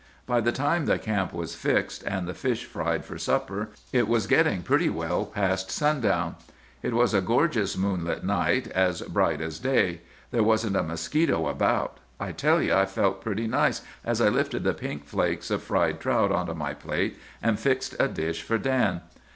By the time the camp was fixed, and the fish fried for supper, it was getting pretty well past sundown. It was a gorgeous moonlight night, as bright as day. There wasn't a mosquito about. I tell you I felt pretty nice as I lifted the pink flakes of fried trout onto my plate, and fixed a dish for Dan.